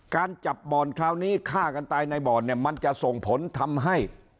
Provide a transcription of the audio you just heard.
การจับบ่อนคราวนี้ฆ่ากันตายในบ่อนเนี่ยมันจะส่งผลทำให้